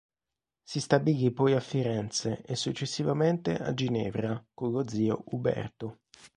Si stabilì poi a Firenze e successivamente a Ginevra con lo zio Uberto.